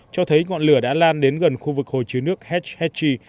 cho thấy ngọn lửa đã lan đến gần khu vực hồ chứa nước hatch hatchy